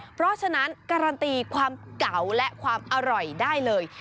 เพราะฉะนั้นการันตีความเก่าและความอร่อยได้เลย